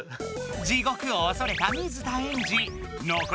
地獄をおそれた水田エンジのこり